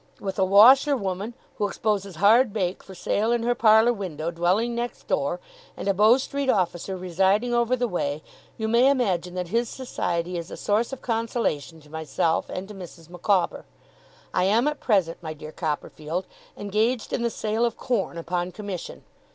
With a washerwoman, who exposes hard bake for sale in her parlour window, dwelling next door, and a Bow street officer residing over the way, you may imagine that his society is a source of consolation to myself and to Mrs. Micawber. I am at present, my dear Copperfield, engaged in the sale of corn upon commission.